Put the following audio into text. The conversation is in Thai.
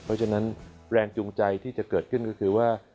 เพราะฉะนั้นแรงจูงใจที่จะเกิดขึ้นก็คือว่า